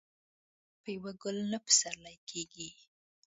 په يو ګل نه پسرلی کيږي.